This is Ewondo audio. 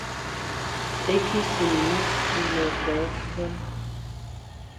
E kesin nyi enə akia mfuban.